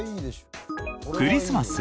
クリスマス？